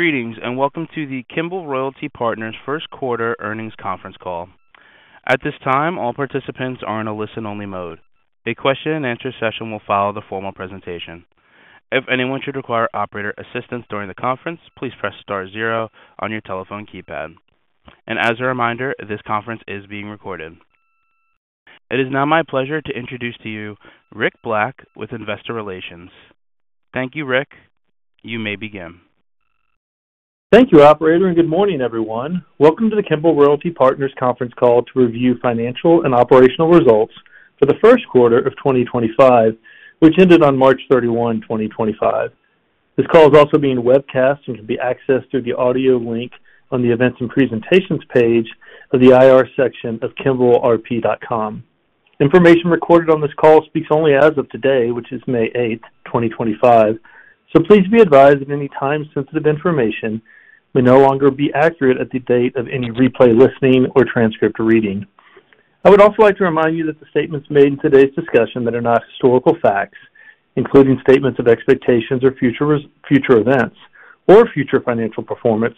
Greetings and welcome to the Kimbell Royalty Partners first quarter earnings conference call. At this time, all participants are in a listen-only mode. A question-and-answer session will follow the formal presentation. If anyone should require operator assistance during the conference, please press star zero on your telephone keypad. As a reminder, this conference is being recorded. It is now my pleasure to introduce to you Rick Black with Investor Relations. Thank you, Rick. You may begin. Thank you, Operator, and good morning, everyone. Welcome to the Kimbell Royalty Partners conference call to review financial and operational results for the first quarter of 2025, which ended on March 31, 2025. This call is also being webcast and can be accessed through the audio link on the events and presentations page of the IR section of kimbellrp.com. Information recorded on this call speaks only as of today, which is May 8, 2025. Please be advised that any time-sensitive information may no longer be accurate at the date of any replay listening or transcript reading. I would also like to remind you that the statements made in today's discussion are not historical facts, including statements of expectations or future events or future financial performance.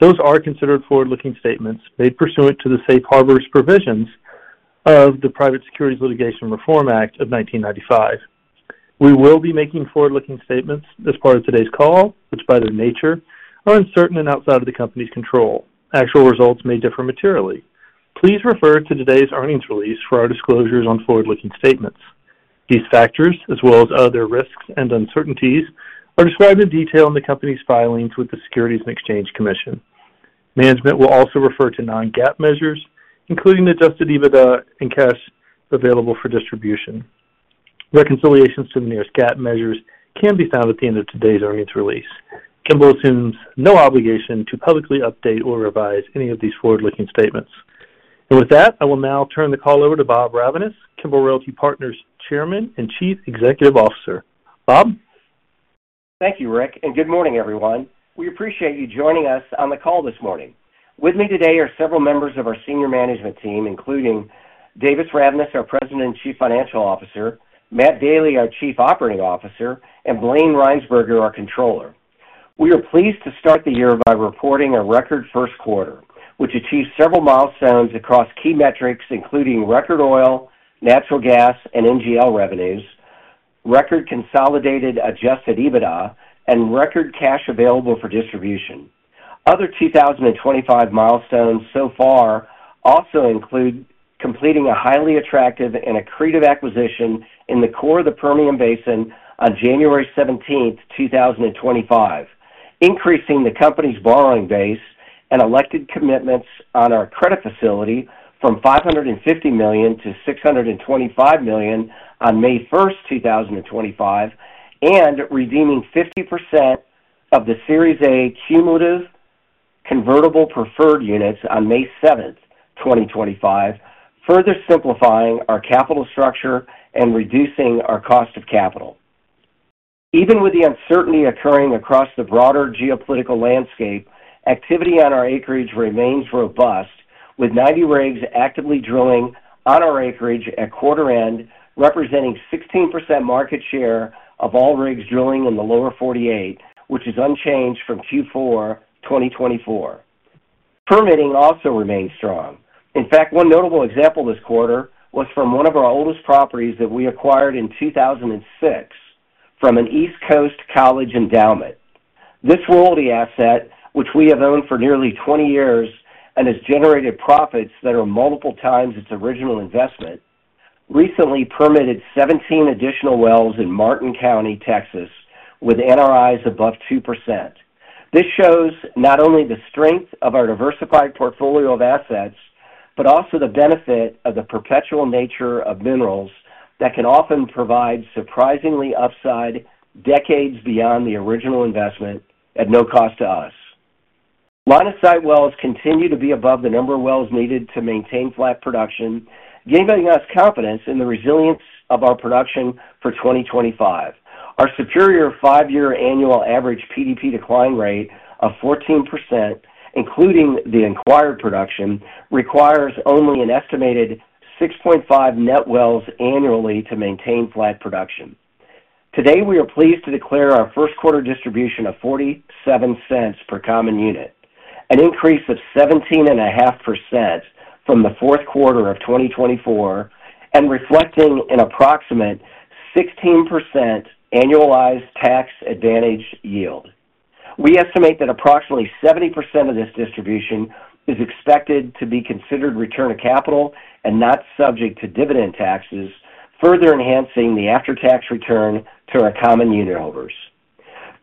Those are considered forward-looking statements made pursuant to the safe harbor provisions of the Private Securities Litigation Reform Act of 1995. We will be making forward-looking statements as part of today's call, which by their nature are uncertain and outside of the company's control. Actual results may differ materially. Please refer to today's earnings release for our disclosures on forward-looking statements. These factors, as well as other risks and uncertainties, are described in detail in the company's filings with the Securities and Exchange Commission. Management will also refer to non-GAAP measures, including the Adjusted EBITDA and cash available for distribution. Reconciliations to the nearest GAAP measures can be found at the end of today's earnings release. Kimbell assumes no obligation to publicly update or revise any of these forward-looking statements. With that, I will now turn the call over to Bob Ravnaas, Kimbell Royalty Partners Chairman and Chief Executive Officer. Bob? Thank you, Rick, and good morning, everyone. We appreciate you joining us on the call this morning. With me today are several members of our senior management team, including Davis Ravnaas, our President and Chief Financial Officer, Matt Daly, our Chief Operating Officer, and Blayne Rhynsburger, our Controller. We are pleased to start the year by reporting a record first quarter, which achieved several milestones across key metrics, including record oil, natural gas, and NGL revenues, record consolidated Adjusted EBITDA, and record cash available for distribution. Other 2025 milestones so far also include completing a highly attractive and accretive acquisition in the core of the Permian Basin on January 17, 2025, increasing the company's borrowing base and elected commitments on our credit facility from $550 million to $625 million on May 1, 2025, and redeeming 50% of the Series A cumulative convertible preferred units on May 7, 2025, further simplifying our capital structure and reducing our cost of capital. Even with the uncertainty occurring across the broader geopolitical landscape, activity on our acreage remains robust, with 90 rigs actively drilling on our acreage at quarter-end, representing 16% market share of all rigs drilling in the lower 48, which is unchanged from Q4 2024. Permitting also remains strong. In fact, one notable example this quarter was from one of our oldest properties that we acquired in 2006 from an East Coast College endowment. This royalty asset, which we have owned for nearly 20 years and has generated profits that are multiple times its original investment, recently permitted 17 additional wells in Martin County, Texas, with NRIs above 2%. This shows not only the strength of our diversified portfolio of assets, but also the benefit of the perpetual nature of minerals that can often provide surprising upside decades beyond the original investment at no cost to us. Line of sight wells continue to be above the number of wells needed to maintain flat production, giving us confidence in the resilience of our production for 2025. Our superior 5-year annual average PDP decline rate of 14%, including the acquired production, requires only an estimated 6.5 net wells annually to maintain flat production. Today, we are pleased to declare our first quarter distribution of $0.47 per common unit, an increase of 17.5% from the fourth quarter of 2024, and reflecting an approximate 16% annualized tax-advantaged yield. We estimate that approximately 70% of this distribution is expected to be considered return of capital and not subject to dividend taxes, further enhancing the after-tax return to our common unit holders.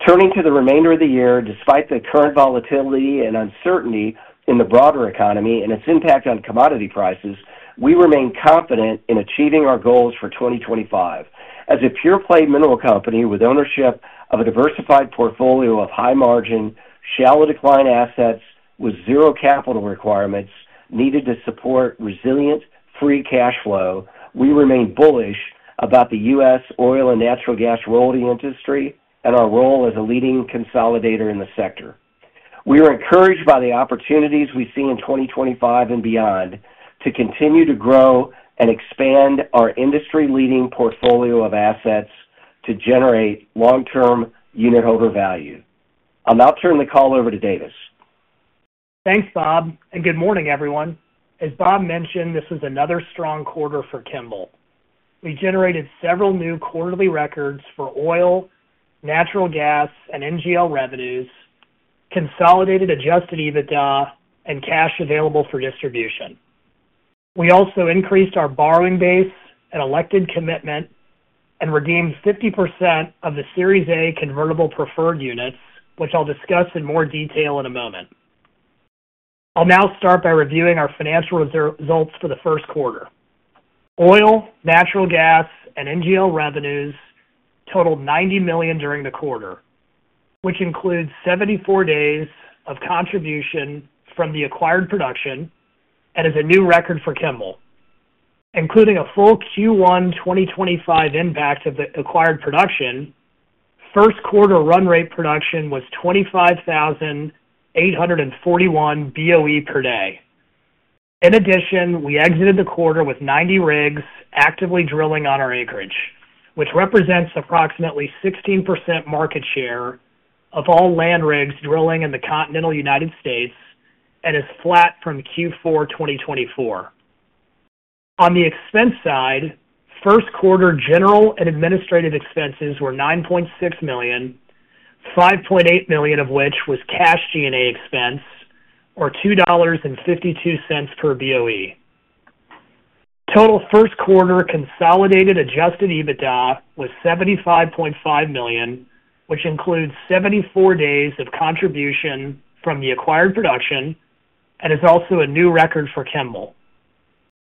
Turning to the remainder of the year, despite the current volatility and uncertainty in the broader economy and its impact on commodity prices, we remain confident in achieving our goals for 2025 as a pure-play mineral company with ownership of a diversified portfolio of high-margin, shallow-decline assets with zero capital requirements needed to support resilient free cash flow. We remain bullish about the U.S. oil and natural gas royalty industry and our role as a leading consolidator in the sector. We are encouraged by the opportunities we see in 2025 and beyond to continue to grow and expand our industry-leading portfolio of assets to generate long-term unit holder value. I'll now turn the call over to Davis. Thanks, Bob, and good morning, everyone. As Bob mentioned, this was another strong quarter for Kimbell. We generated several new quarterly records for oil, natural gas, and NGL revenues, consolidated Adjusted EBITDA, and cash available for distribution. We also increased our borrowing base and elected commitment and redeemed 50% of the Series A convertible preferred units, which I'll discuss in more detail in a moment. I'll now start by reviewing our financial results for the first quarter. Oil, natural gas, and NGL revenues totaled $90 million during the quarter, which includes 74 days of contribution from the acquired production, and is a new record for Kimbell. Including a full Q1 2025 impact of the acquired production, first quarter run rate production was 25,841 BOE per day. In addition, we exited the quarter with 90 rigs actively drilling on our acreage, which represents approximately 16% market share of all land rigs drilling in the continental United States and is flat from Q4 2024. On the expense side, first quarter general and administrative expenses were $9.6 million, $5.8 million of which was cash G&A expense, or $2.52 per BOE. Total first quarter consolidated Adjusted EBITDA was $75.5 million, which includes 74 days of contribution from the acquired production and is also a new record for Kimbell.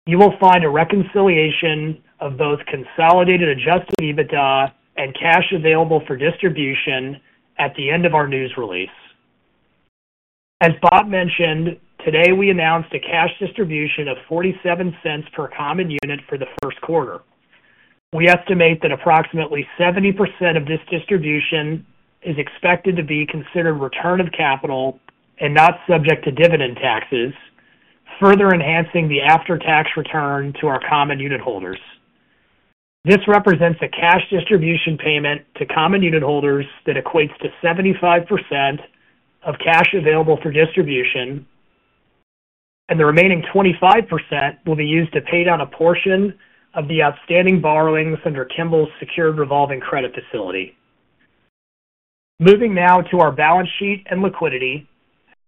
You will find a reconciliation of both consolidated Adjusted EBITDA and cash available for distribution at the end of our news release. As Bob mentioned, today we announced a cash distribution of $0.47 per common unit for the first quarter. We estimate that approximately 70% of this distribution is expected to be considered return of capital and not subject to dividend taxes, further enhancing the after-tax return to our common unit holders. This represents a cash distribution payment to common unit holders that equates to 75% of cash available for distribution, and the remaining 25% will be used to pay down a portion of the outstanding borrowings under Kimbell's secured revolving credit facility. Moving now to our balance sheet and liquidity.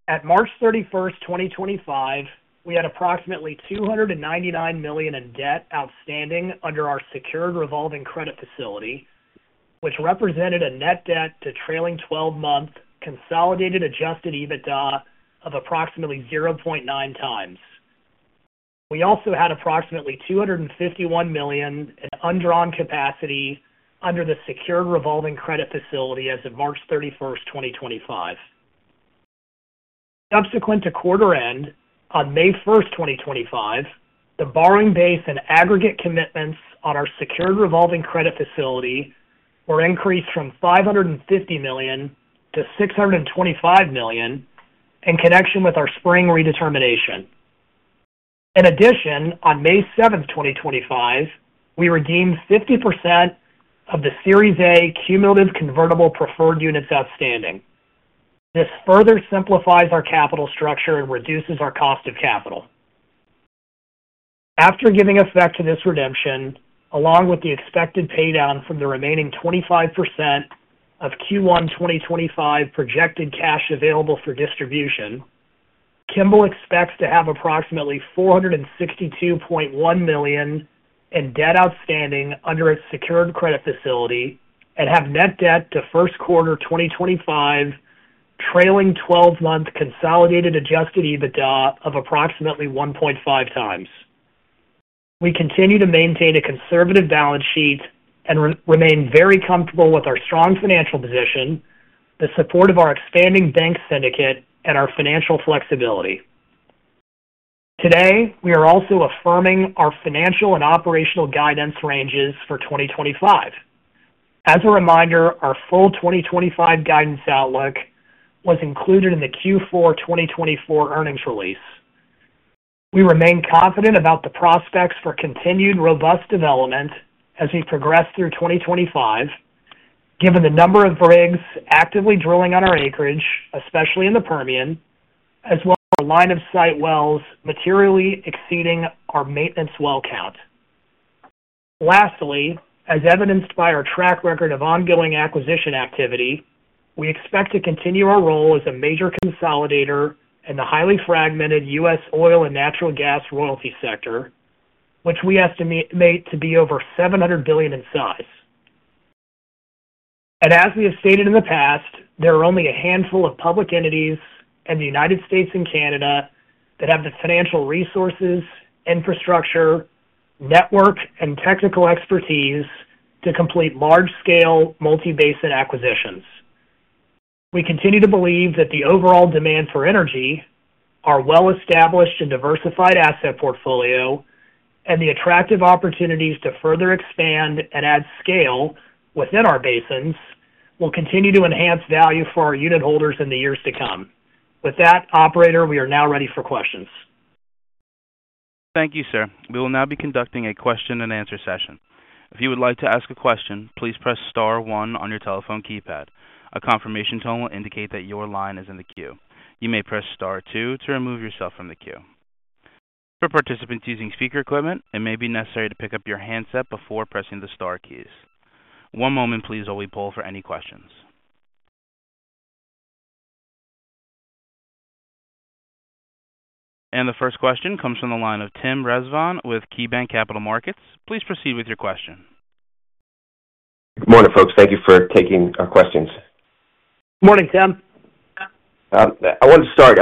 At March 31, 2025, we had approximately $299 million in debt outstanding under our secured revolving credit facility, which represented a net debt to trailing 12-month consolidated Adjusted EBITDA of approximately 0.9 times. We also had approximately $251 million in undrawn capacity under the secured revolving credit facility as of March 31, 2025. Subsequent to quarter-end on May 1, 2025, the borrowing base and aggregate commitments on our secured revolving credit facility were increased from $550 million to $625 million in connection with our spring redetermination. In addition, on May 7, 2025, we redeemed 50% of the Series A cumulative convertible preferred units outstanding. This further simplifies our capital structure and reduces our cost of capital. After giving effect to this redemption, along with the expected paydown from the remaining 25% of Q1 2025 projected cash available for distribution, Kimbell expects to have approximately $462.1 million in debt outstanding under its secured credit facility and have net debt to first quarter 2025 trailing 12-month consolidated Adjusted EBITDA of approximately 1.5 times. We continue to maintain a conservative balance sheet and remain very comfortable with our strong financial position, the support of our expanding bank syndicate, and our financial flexibility. Today, we are also affirming our financial and operational guidance ranges for 2025. As a reminder, our full 2025 guidance outlook was included in the Q4 2024 earnings release. We remain confident about the prospects for continued robust development as we progress through 2025, given the number of rigs actively drilling on our acreage, especially in the Permian, as well as our line of sight wells materially exceeding our maintenance well count. Lastly, as evidenced by our track record of ongoing acquisition activity, we expect to continue our role as a major consolidator in the highly fragmented U.S. oil and natural gas royalty sector, which we estimate to be over $700 billion in size. As we have stated in the past, there are only a handful of public entities in the United States and Canada that have the financial resources, infrastructure, network, and technical expertise to complete large-scale multibasin acquisitions. We continue to believe that the overall demand for energy, our well-established and diversified asset portfolio, and the attractive opportunities to further expand and add scale within our basins will continue to enhance value for our unit holders in the years to come. With that, Operator, we are now ready for questions. Thank you, sir. We will now be conducting a question-and-answer session. If you would like to ask a question, please press Star 1 on your telephone keypad. A confirmation tone will indicate that your line is in the queue. You may press Star 2 to remove yourself from the queue. For participants using speaker equipment, it may be necessary to pick up your handset before pressing the Star keys. One moment, please, while we poll for any questions. The first question comes from the line of Tim Rezvan with KeyBanc Capital Markets. Please proceed with your question. Good morning, folks. Thank you for taking our questions. Good morning, Tim. I wanted to start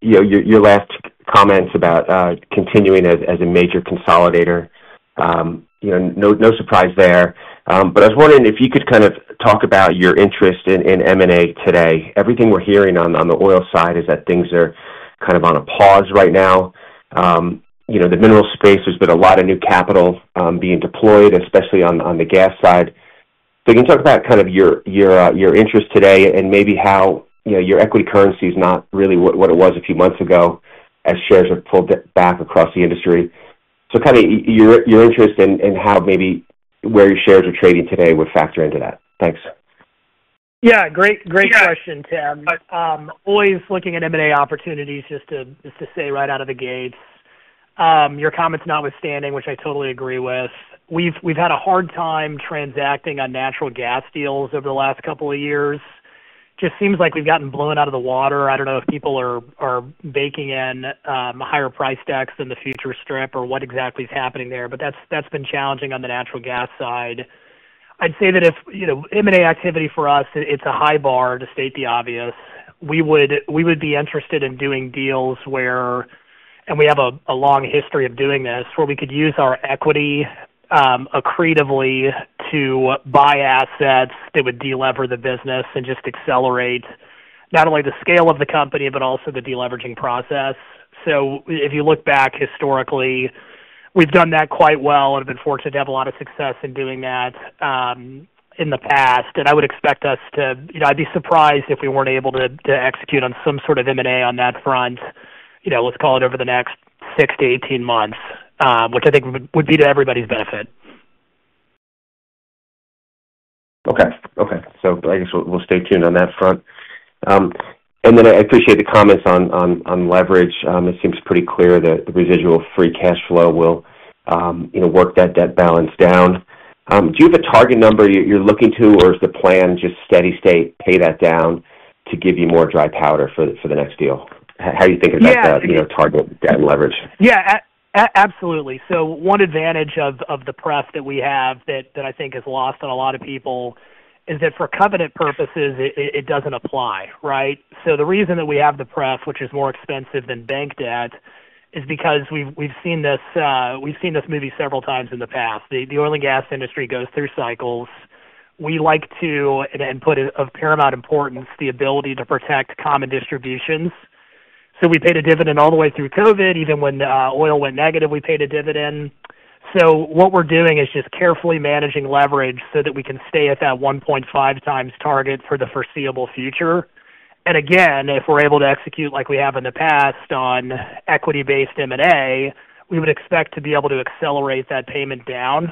your last comments about continuing as a major consolidator. No surprise there. I was wondering if you could kind of talk about your interest in M&A today. Everything we're hearing on the oil side is that things are kind of on a pause right now. The mineral space, there's been a lot of new capital being deployed, especially on the gas side. Can you talk about kind of your interest today and maybe how your equity currency is not really what it was a few months ago as shares have pulled back across the industry? Kind of your interest and how maybe where your shares are trading today would factor into that. Thanks. Yeah. Great question, Tim. Always looking at M&A opportunities, just to say right out of the gate. Your comments notwithstanding, which I totally agree with. We've had a hard time transacting on natural gas deals over the last couple of years. It just seems like we've gotten blown out of the water. I don't know if people are baking in higher price decks than the future strip or what exactly is happening there, but that's been challenging on the natural gas side. I'd say that if M&A activity for us, it's a high bar to state the obvious. We would be interested in doing deals where—and we have a long history of doing this—where we could use our equity accretively to buy assets that would delever the business and just accelerate not only the scale of the company but also the deleveraging process. If you look back historically, we've done that quite well and have been fortunate to have a lot of success in doing that in the past. I would expect us to—I would be surprised if we were not able to execute on some sort of M&A on that front, let's call it over the next 6-18 months, which I think would be to everybody's benefit. Okay. Okay. I guess we'll stay tuned on that front. I appreciate the comments on leverage. It seems pretty clear that the residual free cash flow will work that debt balance down. Do you have a target number you're looking to, or is the plan just steady state pay that down to give you more dry powder for the next deal? How do you think about that target and leverage? Yeah. Absolutely. One advantage of the prep that we have that I think is lost on a lot of people is that for covenant purposes, it does not apply, right? The reason that we have the prep, which is more expensive than bank debt, is because we have seen this—we have seen this movie several times in the past. The oil and gas industry goes through cycles. We like to—and put it of paramount importance—the ability to protect common distributions. We paid a dividend all the way through COVID. Even when oil went negative, we paid a dividend. What we are doing is just carefully managing leverage so that we can stay at that 1.5 times target for the foreseeable future. Again, if we are able to execute like we have in the past on equity-based M&A, we would expect to be able to accelerate that payment down.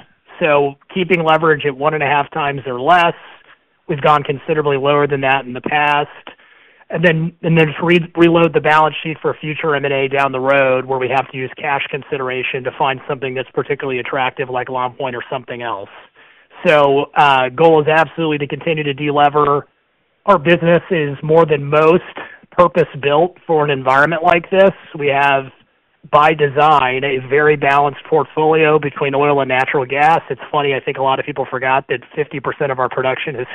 Keeping leverage at one and a half times or less, we've gone considerably lower than that in the past. Then just reload the balance sheet for future M&A down the road where we have to use cash consideration to find something that's particularly attractive like Longpoint or something else. The goal is absolutely to continue to deliver. Our business is more than most purpose-built for an environment like this. We have, by design, a very balanced portfolio between oil and natural gas. It's funny. I think a lot of people forgot that 50% of our production is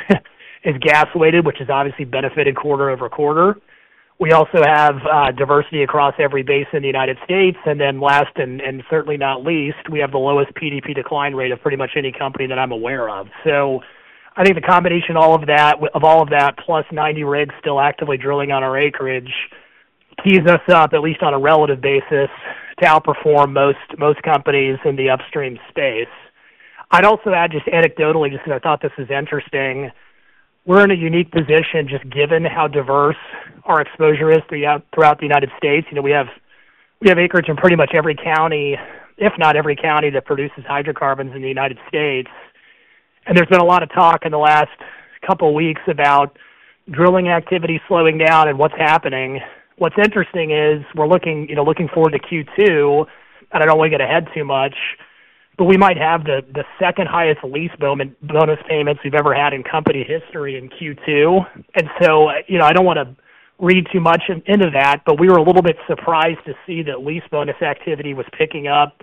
gas-weighted, which has obviously benefited quarter over quarter. We also have diversity across every basin in the United States. Last and certainly not least, we have the lowest PDP decline rate of pretty much any company that I'm aware of. I think the combination of all of that, plus 90 rigs still actively drilling on our acreage, keys us up, at least on a relative basis, to outperform most companies in the upstream space. I'd also add just anecdotally, just because I thought this was interesting, we're in a unique position just given how diverse our exposure is throughout the United States. We have acreage in pretty much every county, if not every county that produces hydrocarbons in the United States. There's been a lot of talk in the last couple of weeks about drilling activity slowing down and what's happening. What's interesting is we're looking forward to Q2, and I don't want to get ahead too much, but we might have the second highest lease bonus payments we've ever had in company history in Q2. I do not want to read too much into that, but we were a little bit surprised to see that lease bonus activity was picking up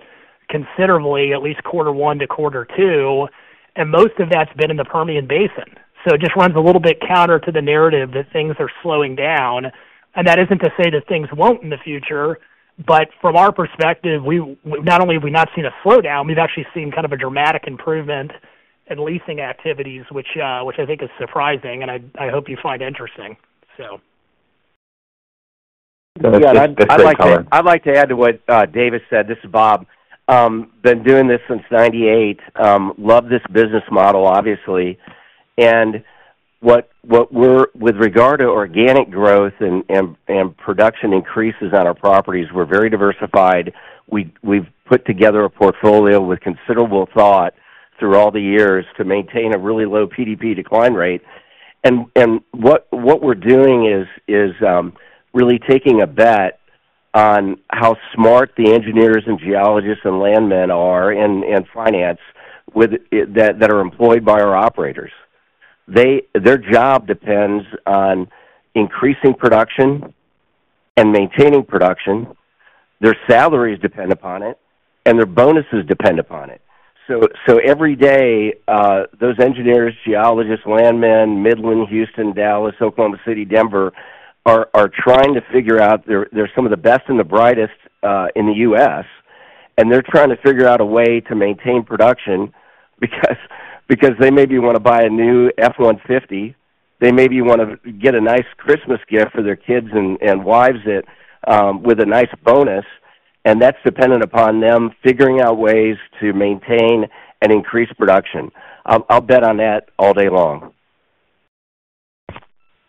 considerably, at least quarter one to quarter two. Most of that has been in the Permian Basin. It just runs a little bit counter to the narrative that things are slowing down. That is not to say that things will not in the future, but from our perspective, not only have we not seen a slowdown, we have actually seen kind of a dramatic improvement in leasing activities, which I think is surprising, and I hope you find interesting. Yeah. I'd like to add to what Davis said. This is Bob. Been doing this since 1998. Love this business model, obviously. With regard to organic growth and production increases on our properties, we're very diversified. We've put together a portfolio with considerable thought through all the years to maintain a really low PDP decline rate. What we're doing is really taking a bet on how smart the engineers and geologists and landmen are and finance that are employed by our operators. Their job depends on increasing production and maintaining production. Their salaries depend upon it, and their bonuses depend upon it. Every day, those engineers, geologists, landmen, Midland, Houston, Dallas, Oklahoma City, Denver, are trying to figure out they're some of the best and the brightest in the U.S. They are trying to figure out a way to maintain production because they maybe want to buy a new F-150. They maybe want to get a nice Christmas gift for their kids and wives with a nice bonus. That is dependent upon them figuring out ways to maintain and increase production. I will bet on that all day long.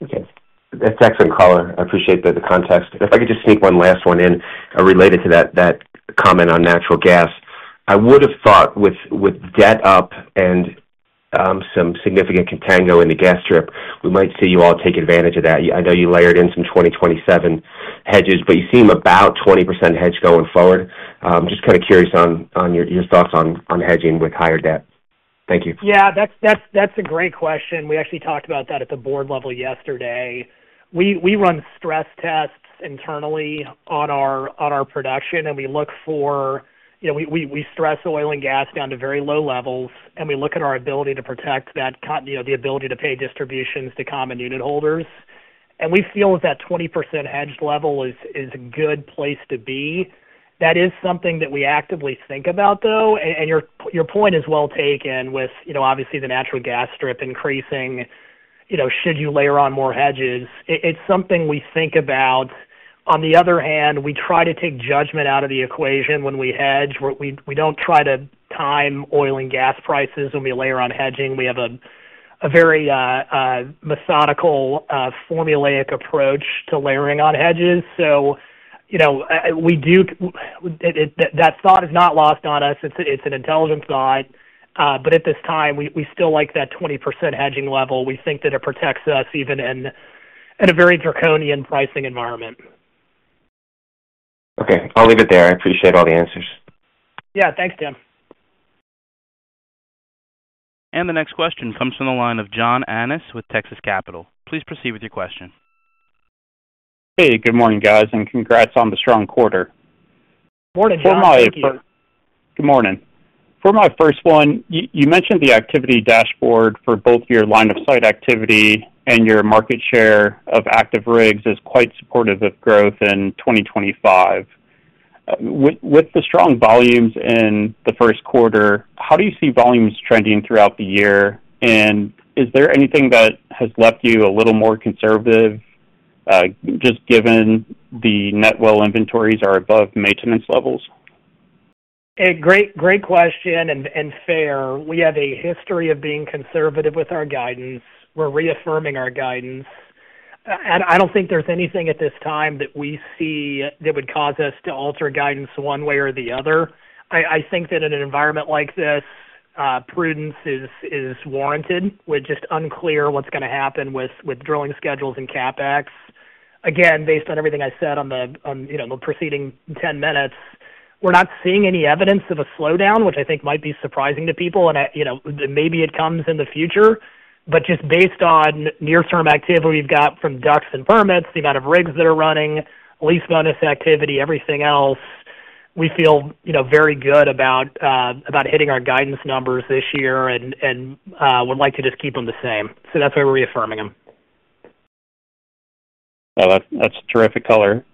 Okay. That is excellent, Caller. I appreciate the context. If I could just sneak one last one in related to that comment on natural gas. I would have thought with debt up and some significant contango in the gas strip, we might see you all take advantage of that. I know you layered in some 2027 hedges, but you seem about 20% hedge going forward. Just kind of curious on your thoughts on hedging with higher debt. Thank you. Yeah. That's a great question. We actually talked about that at the board level yesterday. We run stress tests internally on our production, and we look for—we stress oil and gas down to very low levels, and we look at our ability to protect the ability to pay distributions to common unit holders. We feel that that 20% hedge level is a good place to be. That is something that we actively think about, though. Your point is well taken with, obviously, the natural gas strip increasing—should you layer on more hedges. It's something we think about. On the other hand, we try to take judgment out of the equation when we hedge. We do not try to time oil and gas prices when we layer on hedging. We have a very methodical, formulaic approach to layering on hedges. That thought is not lost on us. It's an intelligent thought. At this time, we still like that 20% hedging level. We think that it protects us even in a very draconian pricing environment. Okay. I'll leave it there. I appreciate all the answers. Yeah. Thanks, Tim. The next question comes from the line of John Annis with Texas Capital. Please proceed with your question. Hey. Good morning, guys. Congrats on the strong quarter. Morning, John. Good morning. For my first one, you mentioned the activity dashboard for both your line of sight activity and your market share of active rigs is quite supportive of growth in 2025. With the strong volumes in the first quarter, how do you see volumes trending throughout the year? Is there anything that has left you a little more conservative just given the net well inventories are above maintenance levels? Great question and fair. We have a history of being conservative with our guidance. We're reaffirming our guidance. I don't think there's anything at this time that we see that would cause us to alter guidance one way or the other. I think that in an environment like this, prudence is warranted. We're just unclear what's going to happen with drilling schedules and CapEx. Again, based on everything I said on the preceding 10 minutes, we're not seeing any evidence of a slowdown, which I think might be surprising to people. Maybe it comes in the future. Just based on near-term activity we've got from DUCs and permits, the amount of rigs that are running, lease bonus activity, everything else, we feel very good about hitting our guidance numbers this year and would like to just keep them the same. That's why we're reaffirming them. That's a terrific color.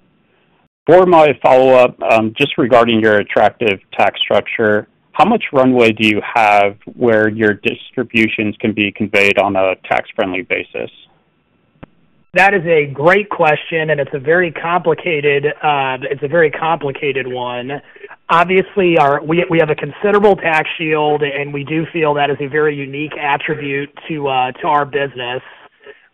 For my follow-up, just regarding your attractive tax structure, how much runway do you have where your distributions can be conveyed on a tax-friendly basis? That is a great question, and it's a very complicated one. Obviously, we have a considerable tax shield, and we do feel that is a very unique attribute to our business.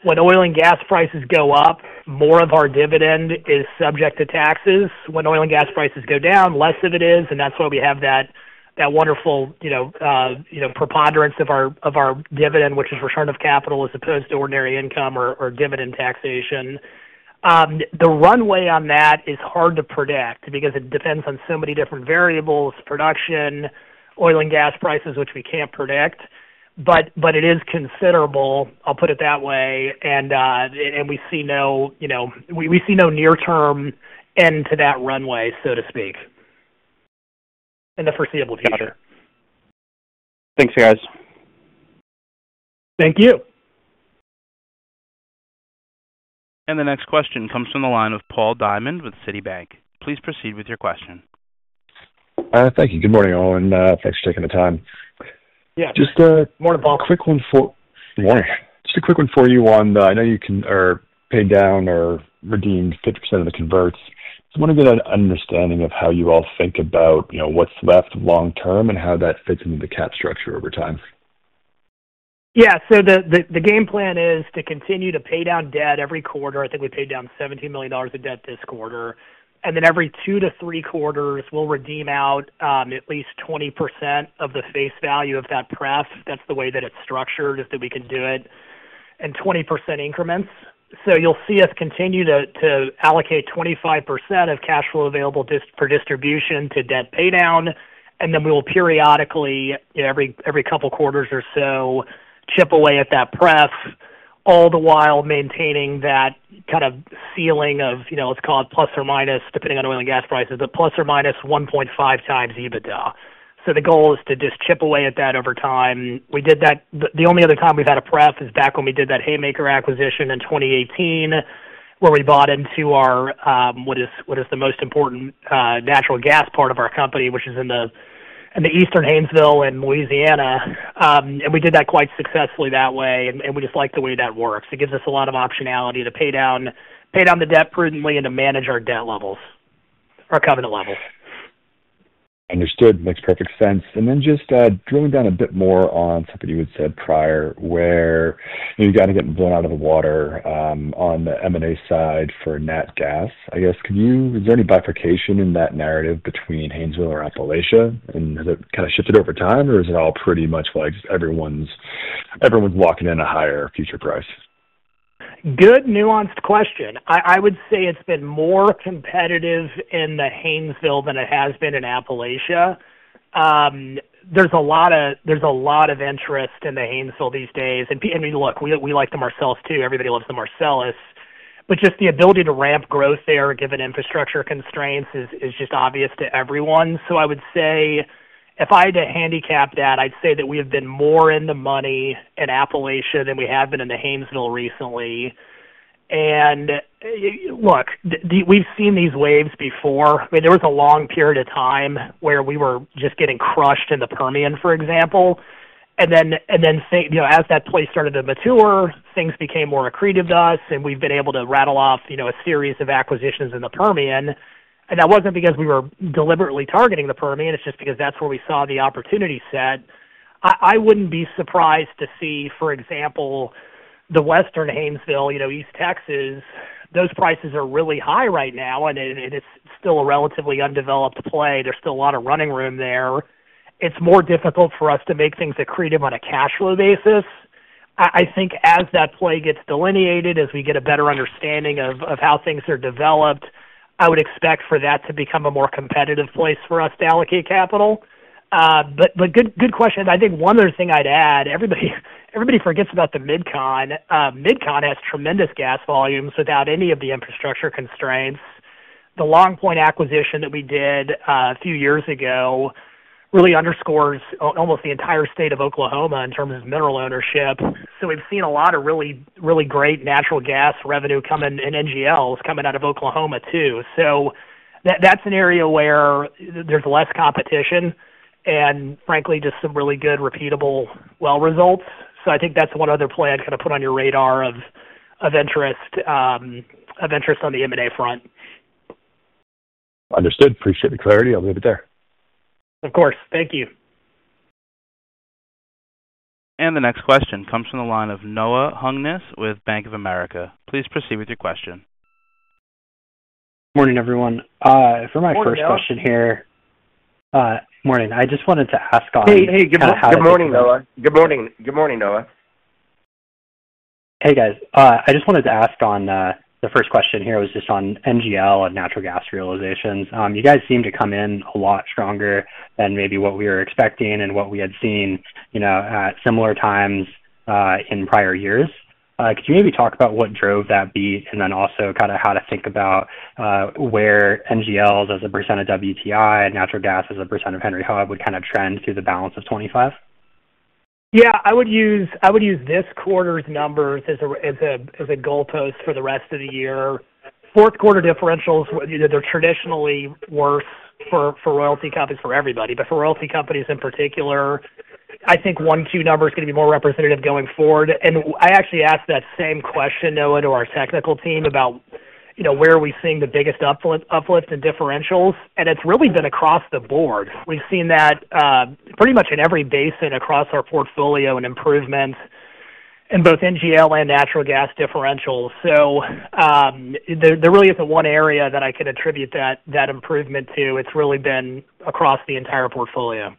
When oil and gas prices go up, more of our dividend is subject to taxes. When oil and gas prices go down, less of it is. That is why we have that wonderful preponderance of our dividend, which is return of capital as opposed to ordinary income or dividend taxation. The runway on that is hard to predict because it depends on so many different variables: production, oil and gas prices, which we can't predict. It is considerable, I'll put it that way. We see no near-term end to that runway, so to speak, in the foreseeable future. Thanks, guys. Thank you. The next question comes from the line of Paul Diamond with Citibank. Please proceed with your question. Thank you. Good morning, all, and thanks for taking the time. Yeah. Good morning, Paul. Just a quick one for you on I know you can pay down or redeem 50% of the converts. I want to get an understanding of how you all think about what's left long-term and how that fits into the cap structure over time. Yeah. So the game plan is to continue to pay down debt every quarter. I think we paid down $17 million in debt this quarter. Every two to three quarters, we'll redeem out at least 20% of the face value of that pref. That's the way that it's structured, is that we can do it in 20% increments. You'll see us continue to allocate 25% of cash flow available for distribution to debt pay down. We will periodically, every couple of quarters or so, chip away at that pref, all the while maintaining that kind of ceiling of, let's call it plus or minus, depending on oil and gas prices, but plus or minus 1.5 times EBITDA. The goal is to just chip away at that over time. The only other time we've had a prep is back when we did that Haymaker acquisition in 2018, where we bought into our what is the most important natural gas part of our company, which is in the eastern Haynesville and Louisiana. We did that quite successfully that way. We just like the way that works. It gives us a lot of optionality to pay down the debt prudently and to manage our debt levels, our covenant levels. Understood. Makes perfect sense. Just drilling down a bit more on something you had said prior, where you've gotten blown out of the water on the M&A side for net gas. I guess, is there any bifurcation in that narrative between Haynesville or Appalachia? Has it kind of shifted over time, or is it all pretty much like everyone's walking in a higher future price? Good nuanced question. I would say it's been more competitive in the Haynesville than it has been in Appalachia. There's a lot of interest in the Haynesville these days. And look, we like the Marcellus too. Everybody loves the Marcellus. But just the ability to ramp growth there given infrastructure constraints is just obvious to everyone. I would say, if I had to handicap that, I'd say that we have been more in the money in Appalachia than we have been in the Haynesville recently. And look, we've seen these waves before. I mean, there was a long period of time where we were just getting crushed in the Permian, for example. As that place started to mature, things became more accretive to us, and we've been able to rattle off a series of acquisitions in the Permian. That was not because we were deliberately targeting the Permian. It is just because that is where we saw the opportunity set. I would not be surprised to see, for example, the western Haynesville, East Texas, those prices are really high right now, and it is still a relatively undeveloped play. There is still a lot of running room there. It is more difficult for us to make things accretive on a cash flow basis. I think as that play gets delineated, as we get a better understanding of how things are developed, I would expect for that to become a more competitive place for us to allocate capital. Good question. I think one other thing I would add, everybody forgets about the Midcon. Midcon has tremendous gas volumes without any of the infrastructure constraints. The Longpoint acquisition that we did a few years ago really underscores almost the entire state of Oklahoma in terms of mineral ownership. We have seen a lot of really great natural gas revenue in NGLs coming out of Oklahoma too. That is an area where there is less competition and, frankly, just some really good repeatable well results. I think that is one other play I would kind of put on your radar of interest on the M&A front. Understood. Appreciate the clarity. I'll leave it there. Of course. Thank you. The next question comes from the line of Noah Hungness with Bank of America. Please proceed with your question. Good morning, everyone. For my first question here. Hey, Noah. Morning. I just wanted to ask on. Hey, hey. Good morning, Noah. Good morning. Good morning, Noah. Hey, guys. I just wanted to ask on the first question here was just on NGL and natural gas realizations. You guys seem to come in a lot stronger than maybe what we were expecting and what we had seen at similar times in prior years. Could you maybe talk about what drove that beat and then also kind of how to think about where NGLs as a percent of WTI and natural gas as a percent of Henry Hub would kind of trend through the balance of 2025? Yeah. I would use this quarter's numbers as a goalpost for the rest of the year. Fourth quarter differentials, they're traditionally worse for royalty companies for everybody. For royalty companies in particular, I think one key number is going to be more representative going forward. I actually asked that same question, Noah, to our technical team about where are we seeing the biggest uplift in differentials. It's really been across the board. We've seen that pretty much in every basin across our portfolio and improvements in both NGL and natural gas differentials. There really isn't one area that I could attribute that improvement to. It's really been across the entire portfolio.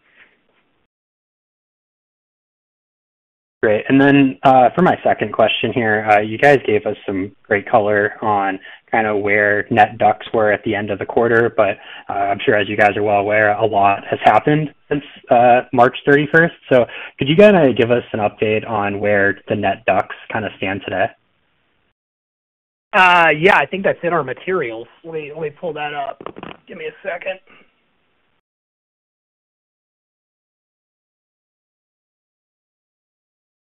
Great. For my second question here, you guys gave us some great color on kind of where net DUCs were at the end of the quarter. I'm sure, as you guys are well aware, a lot has happened since March 31. Could you kind of give us an update on where the net DUCs kind of stand today? Yeah. I think that's in our materials. Let me pull that up. Give me a second.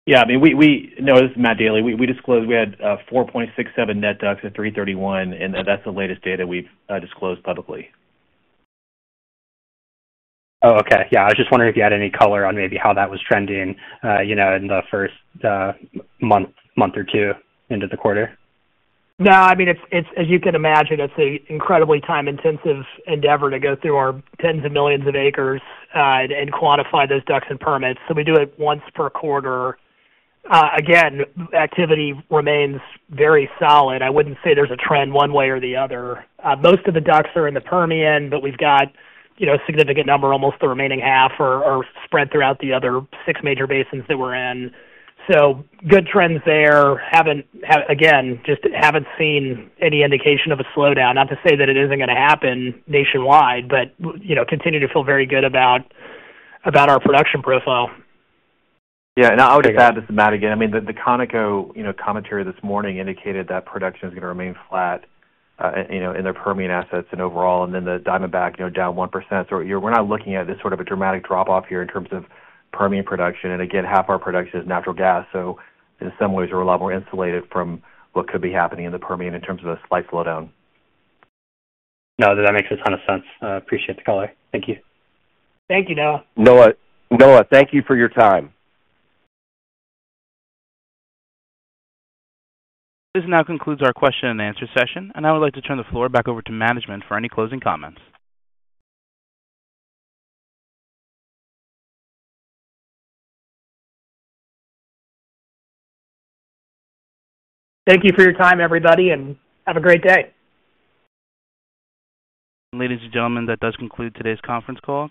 Yeah. I mean, we noticed, Matt Daly, we disclosed we had 4.67 net DUCs at 331, and that's the latest data we've disclosed publicly. Oh, okay. Yeah. I was just wondering if you had any color on maybe how that was trending in the first month or 2 into the quarter. No. I mean, as you can imagine, it's an incredibly time-intensive endeavor to go through our tens of millions of acres and quantify those DUCs and permits. So we do it once per quarter. Again, activity remains very solid. I wouldn't say there's a trend one way or the other. Most of the DUCs are in the Permian, but we've got a significant number, almost the remaining half, are spread throughout the other 6 major basins that we're in. Good trends there. Again, just haven't seen any indication of a slowdown. Not to say that it isn't going to happen nationwide, but continue to feel very good about our production profile. Yeah. I would just add this to Matt again. I mean, the Conoco commentary this morning indicated that production is going to remain flat in their Permian assets and overall. The Diamondback down 1%. We are not looking at this sort of a dramatic drop-off here in terms of Permian production. Again, half our production is natural gas. In some ways, we are a lot more insulated from what could be happening in the Permian in terms of a slight slowdown. No, that makes a ton of sense. I appreciate the color. Thank you. Thank you, Noah. Noah, thank you for your time. This now concludes our question and answer session. I would like to turn the floor back over to management for any closing comments. Thank you for your time, everybody, and have a great day. Ladies and gentlemen, that does conclude today's conference call.